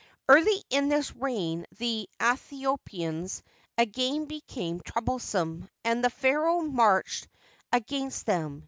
Early in this reign the Aethiopians again became troublesome, and the pharaoh marched against them.